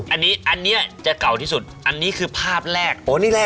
อันนี้จะเก่าที่สุดอันนี้คือภาพแรก